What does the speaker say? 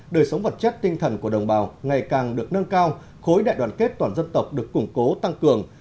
đời sống vật chất tinh thần của đồng bào ngày càng được nâng cao khối đại đoàn kết toàn dân tộc được củng cố tăng cường